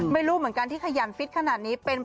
ไม่รู้เหมือนกันที่ขยันฟิธขนาดนี้เป็นพรนะ